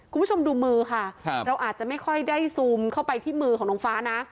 คุณผู้ชมดูมือค่ะเราอาจจะไม่ค่อยได้ซูมเข้าไปที่มือของน้องฟ้านะ